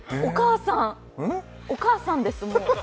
お母さんです、もう。